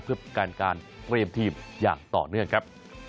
เพื่อประกันการเตรียมทีมอย่างต่อเนื่องครับ